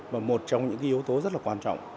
và một trong những yếu tố rất là quan trọng